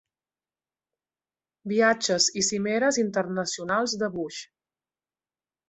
Viatges i cimeres internacionals de Bush.